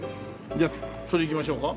じゃあそれでいきましょうか。